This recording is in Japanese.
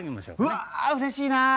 うわうれしいな。